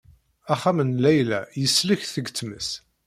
Axxam n Layla yeslek seg tmes.